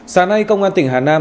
sáng nay công an tỉnh hà nam